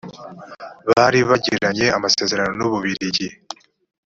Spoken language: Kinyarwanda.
bari bagiranye amasezerano n’ u bubirigi